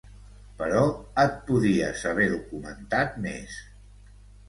Però et podies haver documentat més.